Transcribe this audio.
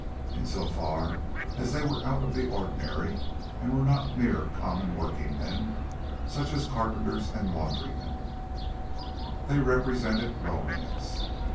In so far as they were out of the ordinary and were not mere common workingmen such as carpenters and laundrymen, they represented romance.